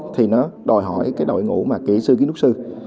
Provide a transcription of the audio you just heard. thì nó đòi hỏi đội ngũ kỹ sư kỹ thuật sư